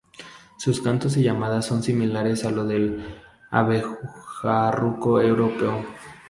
Sus cantos y llamadas son similares a los del abejaruco europeo.